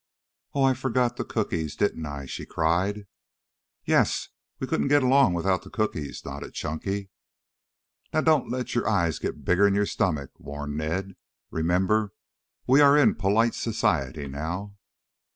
"Oh, I forgot the cookies, didn't I?" she cried. "Yes, we couldn't get along without the cookies," nodded Chunky. "Now don't let your eyes get bigger'n your stomach," warned Ned. "Remember, we are in polite society now."